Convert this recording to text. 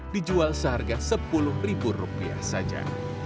dijual seharga sepuluh ribu rupiah saja